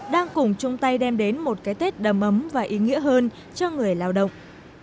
đang cùng chung tay đem đến một cái tết đầm ấm và ý nghĩa hơn cho người lao động